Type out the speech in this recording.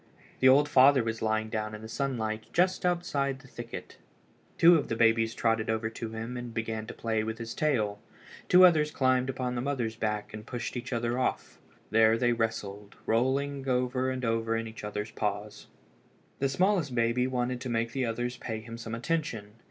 The old father was lying down in the sunlight just outside the thicket. Two of the babies trotted over to him and began to play with his tail. Two others climbed upon the mother's back and pushed each other off. There they wrestled, rolling over and over in each other's paws. The smallest baby wanted to make the others pay him some attention.